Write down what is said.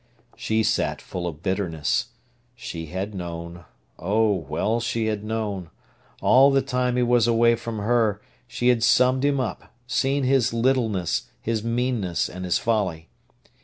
She sat full of bitterness. She had known—oh, well she had known! All the time he was away from her she had summed him up, seen his littleness, his meanness, and his folly.